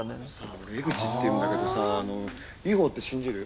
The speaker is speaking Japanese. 俺江口っていうんだけどさＵＦＯって信じる？